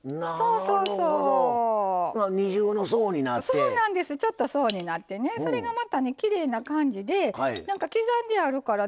そうなんですちょっと層になってそれがまたきれいな感じで刻んであるからね